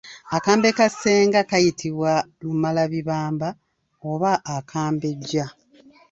Akambe ka ssenga kayitibwa lumalabibamba oba akambejja.